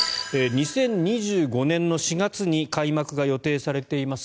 ２０２５年４月に開幕が予定されています